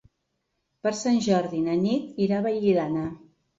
Per Sant Jordi na Nit irà a Vallirana.